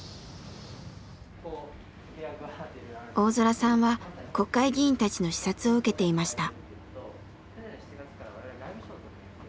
大空さんは国会議員たちの視察を受けていました。